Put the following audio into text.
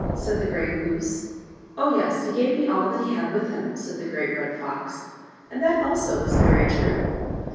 said the Grey Goose. " Oh, yes ; he gave me all that he had with him," said the Great Red Fox ; and that also was very true.